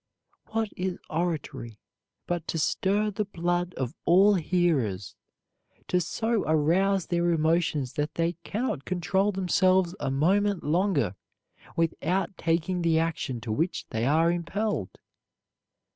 What is oratory but to stir the blood of all hearers, to so arouse their emotions that they can not control themselves a moment longer without taking the action to which they are impelled?